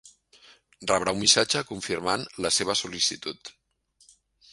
Rebrà un missatge confirmant la seva sol·licitud.